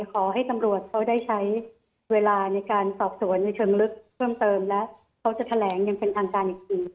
ขอให้ตำรวจเขาได้ใช้เวลาในการสอบสวนในเชิงลึกเพิ่มเติมและเขาจะแถลงอย่างเป็นทางการอีกที